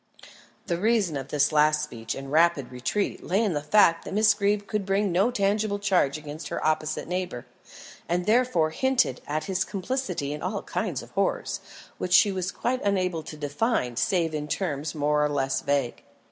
The reason of this last speech and rapid retreat lay in the fact that Miss Greeb could bring no tangible charge against her opposite neighbour; and therefore hinted at his complicity in all kinds of horrors, which she was quite unable to define save in terms more or less vague.